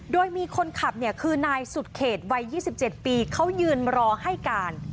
โดยมีคนขับเนี่ยคือนายสุดเขตวัย๒๗ปีเขายืนรอให้การ